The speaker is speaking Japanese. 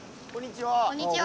こんにちは。